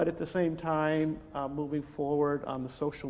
tapi pada saat yang sama bergerak ke misi sosial